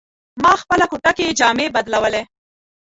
ما خپله کوټه کې جامې بدلولې.